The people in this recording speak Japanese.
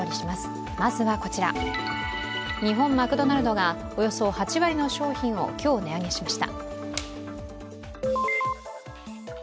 日本マクドナルドがおよそ８割の商品を今日、値上げしました。